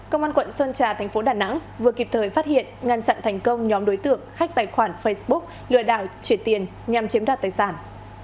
công an quận sơn trà tp đà nẵng vừa kịp thời phát hiện ngăn chặn thành công nhóm đối tượng khách tài khoản facebook lừa đảo chuyển tiền nhằm chiếm đạt tài sản